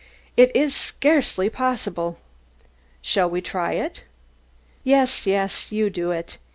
"It is scarcely possible." "Shall we try it?" "Yes, yes, you do it."